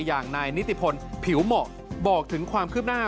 อย่างนายนิติพลผิวเหมาะบอกถึงความคืบหน้า